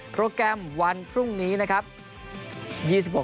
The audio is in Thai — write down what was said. โปรแกรมวันพรุ่งนี้นะครับ